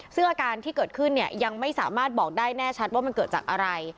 ซึ่งอาการที่เกิดขึ้นเนี่ยยังไม่สามารถบอกได้แน่ชัดว่ามันเกิดจากอะไร